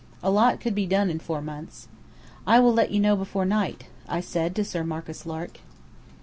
A lot could be done in four months. "I will let you know before night," I said to Sir Marcus Lark.